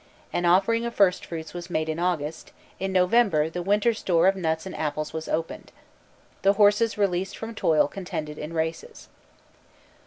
An offering of first fruits was made in August; in November the winter store of nuts and apples was opened. The horses released from toil contended in races.